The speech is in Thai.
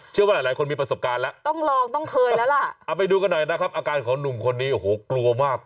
เชื่อว่าหลายหลายคนมีประสบการณ์แล้วต้องลองต้องเคยแล้วล่ะเอาไปดูกันหน่อยนะครับอาการของหนุ่มคนนี้โอ้โหกลัวมาก